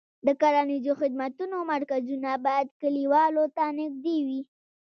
د کرنیزو خدمتونو مرکزونه باید کليوالو ته نږدې وي.